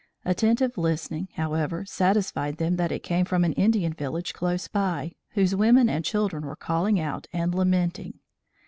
Attentive listening, however, satisfied them that it came from an Indian village close by, whose women and children were calling out and lamenting.